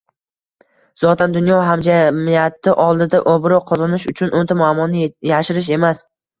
Zotan, dunyo hamjamiyati oldida obro‘ qozonish uchun o‘nta muammoni yashirish emas